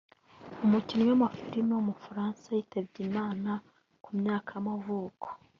umukinnyi wa filime w’umufaransa yitabye Imana ku myaka y’amavuko